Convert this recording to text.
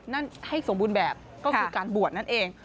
นั่นให้สมบูรณ์แบบก็คือการบวชนั่นเอง